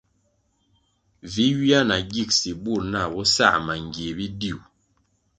Vi ywia na gigsi bur nah bo sa mangie bidiu.